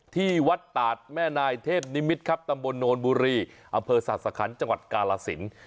ที่วัดตาดแม่นายเทพนิมิตรครับตำบลโนนบุรีอำเภอศาสคันจังหวัดกาลสิน